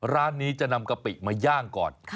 ร้านนี้จะนำกะปิมาย่างก่อน